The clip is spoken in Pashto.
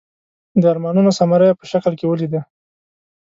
د ارمانونو ثمره یې په شکل کې ولیده.